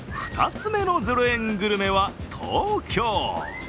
２つ目の０円グルメは東京。